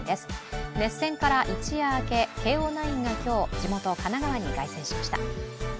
熱戦から一夜明け、慶応ナインが地元・神奈川に凱旋しました。